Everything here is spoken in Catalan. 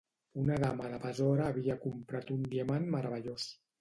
Una dama de Basora havia comprat un diamant meravellós.